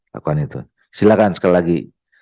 lakukan itu silakan sekali lagi